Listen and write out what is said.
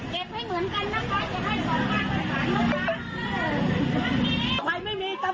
นั่นใครสายไฟอะไรนี่เพิ่ง